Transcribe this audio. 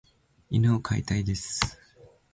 犬を飼いたいです。